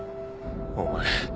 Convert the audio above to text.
お前。